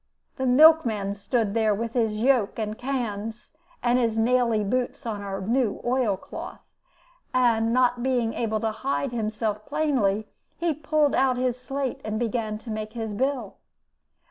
The milk man stood there with his yoke and cans, and his naily boots on our new oil cloth, and, not being able to hide himself plainly, he pulled out his slate and began to make his bill.